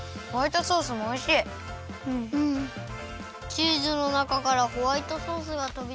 チーズのなかからホワイトソースがとびだしてきた。